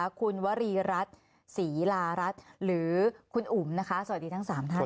คุณวรีรัฐศรีลารัฐหรือคุณอุ๋มนะคะสวัสดีทั้ง๓ท่าน